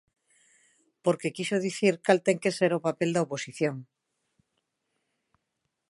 Porque quixo dicir cal ten que ser o papel da oposición.